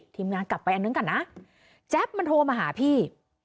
ทีมงานกลับไปอันนึงก่อนนะแจ๊บมันโทรมาหาพี่